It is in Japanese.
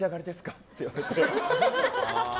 って言われて。